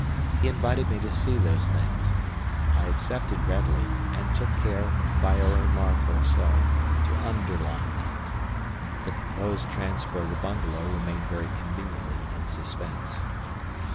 He invited me to see those things. I accepted readily, and took care, by a remark or so, to underline that. The proposed transfer of the bungalow remained very conveniently in suspense.